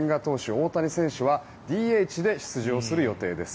大谷選手はＤＨで出場する予定です。